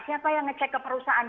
siapa yang ngecek ke perusahaan